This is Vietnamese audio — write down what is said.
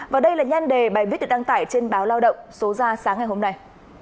và đây là nhan đề bài viết được đăng tải trên báo lao động số ra sáng ngày hôm nay